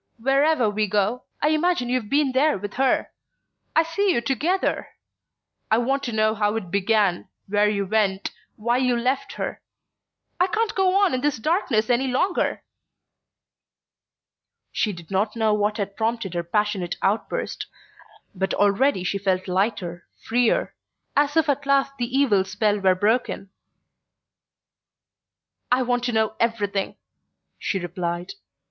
Wherever we go, I imagine you've been there with her...I see you together. I want to know how it began, where you went, why you left her...I can't go on in this darkness any longer!" She did not know what had prompted her passionate outburst, but already she felt lighter, freer, as if at last the evil spell were broken. "I want to know everything," she repeated.